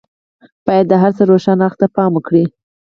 بايد د هر څه روښانه اړخ ته پام وکړي.